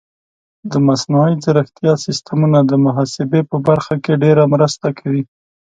د مصنوعي ځیرکتیا سیستمونه د محاسبې په برخه کې ډېره مرسته کوي.